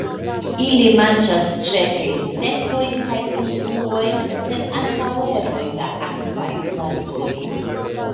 Ili manĝas ĉefe insektojn kaj krustulojn, sed ankaŭ erojn da akvaj plantoj.